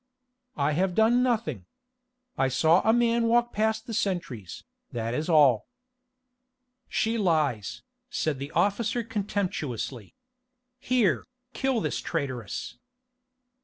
"I have done nothing. I saw a man walk past the sentries, that is all." "She lies," said the officer contemptuously. "Here, kill this traitress."